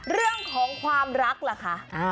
เรื่องของความรักล่ะคะ